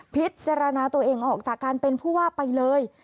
พิจารณาตัวเองออกจากการเป็นผู้ว่าไปเลย